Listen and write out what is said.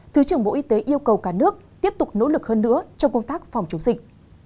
thứ trưởng bộ y tế yêu cầu cả nước tiếp tục nỗ lực hơn nữa trong công tác phòng chống dịch